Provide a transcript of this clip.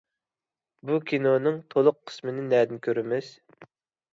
بۇ كىنونىڭ تولۇق قىسمىنى نەدىن كۆرىمىز؟